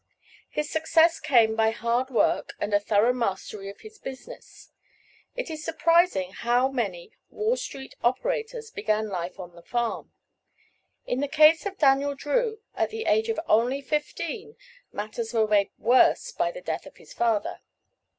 His success came by hard work and a thorough mastery of his business. It is surprising how many Wall Street operators began life on the farm. In the case of Daniel Drew, at the age of only fifteen, matters were made worse by the death of his father.